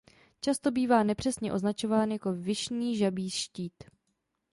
Často bývá nepřesně označován jako "Vyšný Žabí štít".